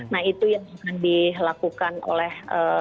nah itu yang akan dilakukan oleh